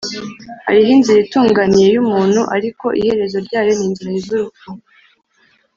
hariho inzira itunganiye y’umuntu, ariko iherezo ryayo ni inzira z’urupfu